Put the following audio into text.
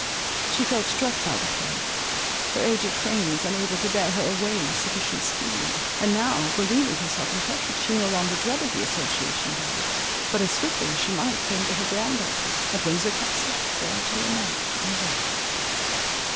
She felt struck by the plague; her aged frame was unable to bear her away with sufficient speed; and now, believing herself infected, she no longer dreaded the association of others; but, as swiftly as she might, came to her grand daughter, at Windsor Castle, there to lament and die.